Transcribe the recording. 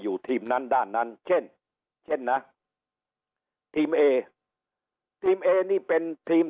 อยู่ทีมนั้นด้านนั้นเช่นเช่นนะทีมเอทีมเอนี่เป็นทีม